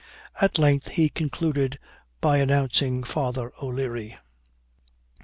At length he concluded by announcing Father O'Leary."